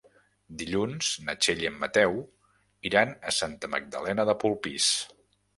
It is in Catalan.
Dilluns na Txell i en Mateu iran a Santa Magdalena de Polpís.